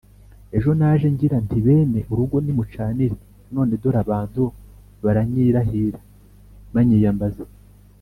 Ejo naje ngira nti bene urugo nimucanire; none dore abantu baranyirahira banyiyambaza